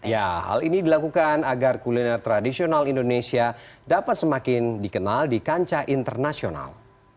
ya hal ini dilakukan agar kuliner tradisional indonesia dapat semakin dikenal di kancah internasional